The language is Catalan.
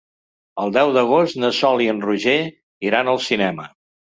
El deu d'agost na Sol i en Roger iran al cinema.